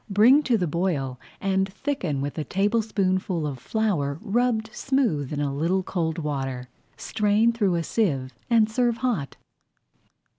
Bring to the boil and thicken with a tablespoonful of flour rubbed smooth in a little cold water. Strain through a sieve and serve hot.